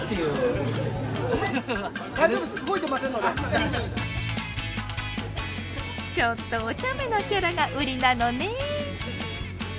地元のちょっとおちゃめなキャラが売りなのね。